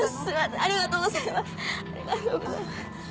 ありがとうございます。